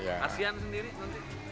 asean sendiri nanti